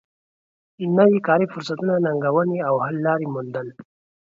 نوی کاري فرصتونه ننګونې او حل لارې موندل